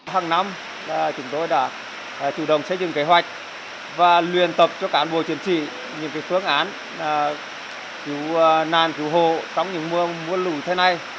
hằng năm chúng tôi đã chủ động xây dựng kế hoạch và luyện tập cho cán bộ chiến trị những phương án cứu nàn cứu hồ trong những mưa lủi thế này